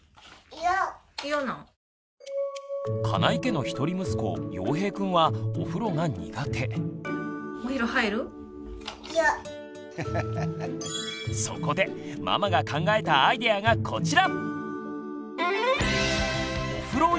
金井家の一人息子ようへいくんはそこでママが考えたアイデアがこちら！